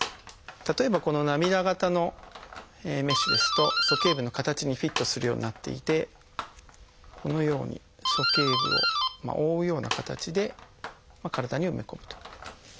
例えばこの涙形のメッシュですと鼠径部の形にフィットするようになっていてこのように鼠径部を覆うような形で体に埋め込むと。